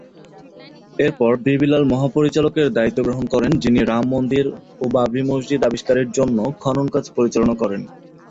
এরপর B B Lal মহাপরিচালকের দায়িত্ব গ্রহণ করেন যিনি রাম মন্দির ও বাবরি মসজিদ আবিষ্কারের জন্য খনন কাজ পরিচালনা করেন।